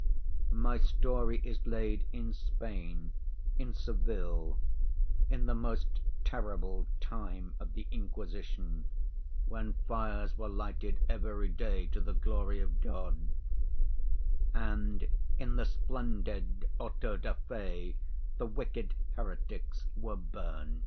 My story is laid in Spain, in Seville, in the most terrible time of the Inquisition, when fires were lighted every day to the glory of God, and 'in the splendid auto da fé the wicked heretics were burnt.